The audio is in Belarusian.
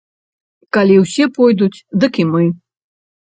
Калі ўсе пойдуць, дык і мы.